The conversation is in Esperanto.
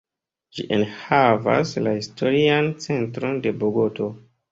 Ĝi enhavas la historian centron de Bogoto.